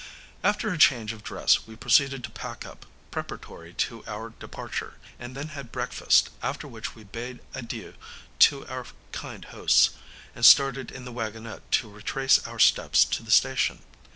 After a change of dress, we proceeded to pack up, preparatory to our departure, and then had breakfast, after which we bade adieu to our kind hosts, and started in the waggonette to retrace our steps to the station.